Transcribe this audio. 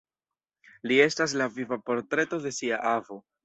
Li estas la viva portreto de sia avo!